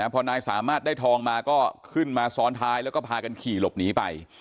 พอนายสามารถได้ทองมาก็ขึ้นมาซ้อนท้ายแล้วก็พากันขี่หลบหนีไป